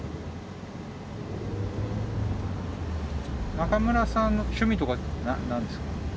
中村さんの趣味とかって何ですか？